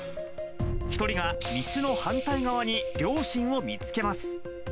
１人が道の反対側に両親を見つけます。